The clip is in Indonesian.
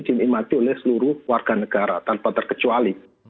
dinikmati oleh seluruh warga negara tanpa terkecuali